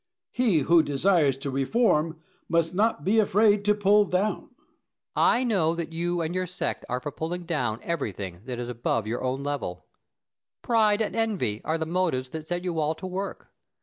He who desires to reform must not be afraid to pull down. Plato. I know that you and your sect are for pulling down everything that is above your own level. Pride and envy are the motives that set you all to work.